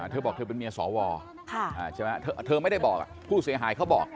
เธอบอกเธอเป็นเมียสวเธอไม่ได้บอกผู้เสียหายเขาบอก